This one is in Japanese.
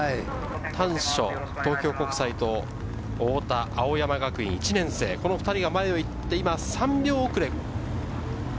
丹所、東京国際と太田、青山学院１年生、この２人が前を行って今、３秒遅れ。